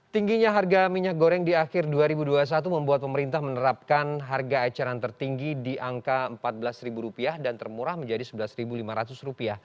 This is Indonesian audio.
tingginya harga minyak goreng di akhir dua ribu dua puluh satu membuat pemerintah menerapkan harga eceran tertinggi di angka rp empat belas dan termurah menjadi rp sebelas lima ratus